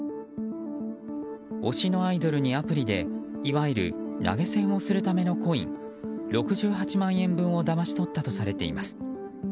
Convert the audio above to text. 推しのアイドルにアプリでいわゆる投げ銭をするためのコイン６８万円分をだまし取ったとされています。